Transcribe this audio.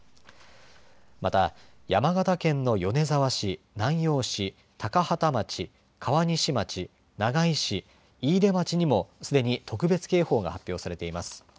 また山形県の米沢市、南陽市高畠町、川西町長井市、飯豊町にもすでに特別警報が発表されています。